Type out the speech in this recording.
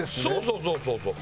そうそうそうそう。